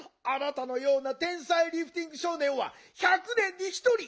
あなたのような天さいリフティングしょう年は１００年に一人。